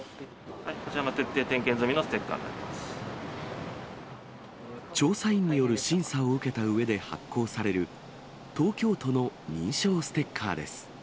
こちらが徹底点検済みのステ調査員による審査を受けたうえで発行される、東京都の認証ステッカーです。